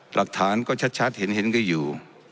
หลักฐานก็ชัดเห็นกันอยู่